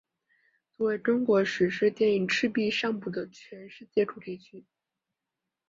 作为中国史诗电影赤壁上部的全世界主题曲。